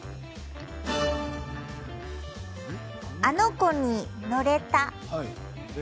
あの子にのれた。